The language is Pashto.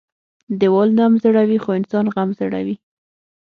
ـ ديوال نم زړوى خو انسان غم زړوى.